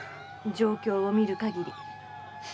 状況を見る限り。